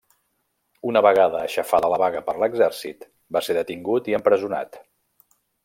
Una vegada aixafada la vaga per l'Exèrcit, va ser detingut i empresonat.